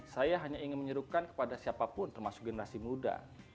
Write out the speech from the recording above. saya hanya ingin menyuruhkan kepada siapapun termasuk generasi muda